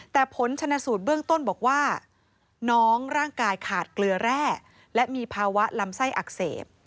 แต่ผลชนะสูตรเบื้องต้นบอกว่าน้องร่างกายขาดเกลือแร่และมีภาวะลำไส้อักเสบ